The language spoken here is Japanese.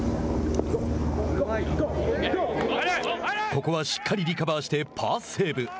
ここはしっかりリカバーしてパーセーブ。